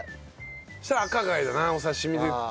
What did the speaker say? そしたら赤貝だなお刺身でいったら。